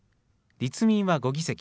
立民は５議席。